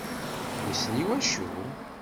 Wissen i waccu?